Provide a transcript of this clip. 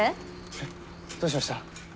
えっどうしました？